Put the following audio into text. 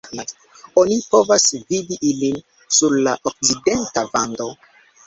Oni povas vidi ilin sur la okcidenta vando.